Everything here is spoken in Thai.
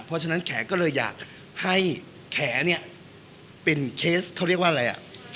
เพราะฉะนั้นแขก็เลยอยากให้แขเนี่ยเป็นเคสเขาเรียกว่าอะไรอ่ะ